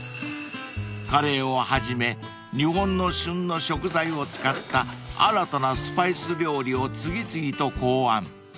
［カレーをはじめ日本の旬の食材を使った新たなスパイス料理を次々と考案］